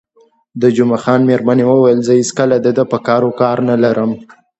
د جمعه خان میرمنې وویل: زه هېڅکله د ده په کارو کار نه لرم.